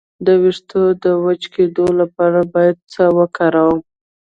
د ویښتو د وچ کیدو لپاره باید څه وکاروم؟